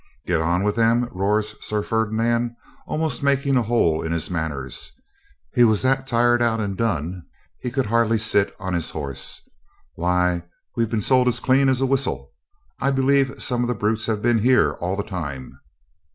'Get on with them?' roars Sir Ferdinand, almost making a hole in his manners he was that tired out and done he could hardly sit on his horse 'why, we've been sold as clean as a whistle. I believe some of the brutes have been here all the time.'